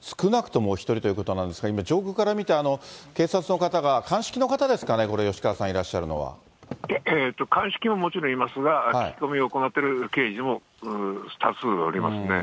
少なくともお１人ということなんですが、今、上空から見て警察の方が、鑑識の方ですかね、吉川さん、鑑識ももちろんいますが、聞き込みを行っている刑事も多数おりますね。